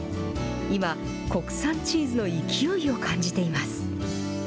今、国産チーズの勢いを感じています。